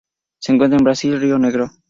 Se encuentra en Brasil: río Negro.